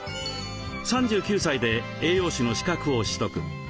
３９歳で栄養士の資格を取得。